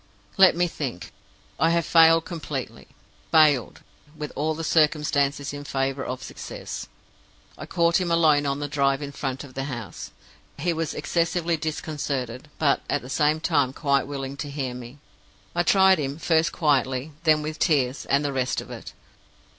"Let me think; I have failed completely failed, with all the circumstances in favor of success. I caught him alone on the drive in front of the house. He was excessively disconcerted, but at the same time quite willing to hear me. I tried him, first quietly then with tears, and the rest of it.